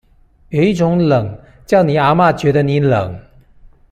有一種冷，叫你阿嘛覺得你冷